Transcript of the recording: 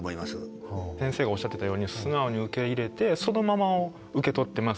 先生がおっしゃってたように素直に受け入れてそのままを受け取ってます。